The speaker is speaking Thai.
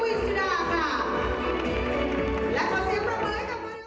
พอเสียบุฎาคุณวิวมัสยาคุณฟ้าใสคุณวิทยุดาครับ